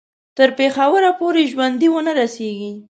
تر پېښوره پوري ژوندي ونه رسیږي.